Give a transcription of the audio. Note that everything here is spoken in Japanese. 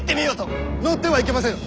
乗ってはいけませぬ！